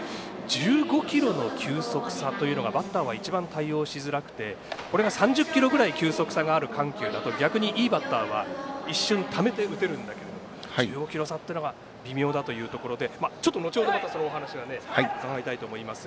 １５キロの球速差というのがバッターは一番対応しづらくてこれが３０キロぐらい球速差がある緩急だと逆にいいバッターは一瞬ためて打てるんだけど１５キロ差というのが微妙だというところでまた後ほど、そのお話は伺いたいと思います。